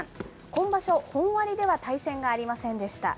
今場所、本割では対戦がありませんでした。